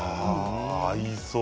合いそう。